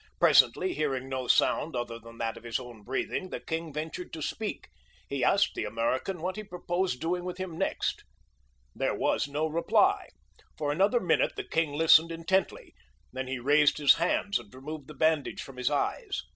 Presently, hearing no sound other than that of his own breathing, the king ventured to speak. He asked the American what he purposed doing with him next. There was no reply. For another minute the king listened intently; then he raised his hands and removed the bandage from his eyes.